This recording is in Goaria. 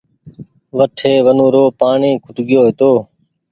وٺي ونورو پآڻيٚ کٽگيو هيتو